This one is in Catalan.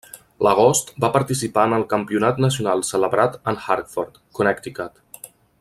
L'agost va participar en el campionat nacional celebrat en Hartford, Connecticut.